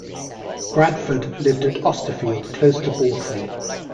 Bradford lived at Austerfield, close to Bawtry.